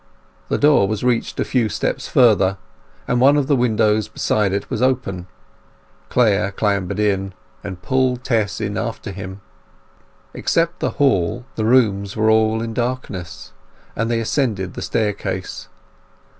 The door was reached a few steps further, and one of the windows beside it was open. Clare clambered in, and pulled Tess in after him. Except the hall, the rooms were all in darkness, and they ascended the staircase.